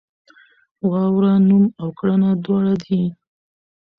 واوره نوم او کړنه دواړه دي.